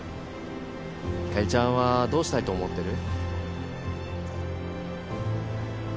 ひかりちゃんはどうしたいと思ってる？